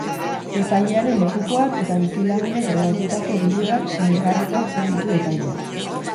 Epailearen lekukoak eta bizilagunek grabatutako bideoak sinesgarritzat jo ditu epaileak.